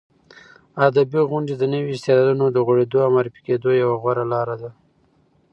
ادبي غونډې د نویو استعدادونو د غوړېدو او معرفي کېدو یوه غوره لاره ده.